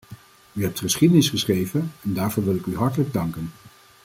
U hebt geschiedenis geschreven, en daarvoor wil ik u hartelijk danken.